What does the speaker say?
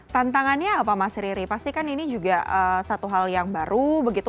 tantangannya apa mas riri pasti kan ini juga satu hal yang baru begitu